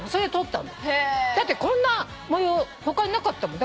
だってこんな模様他になかったもん。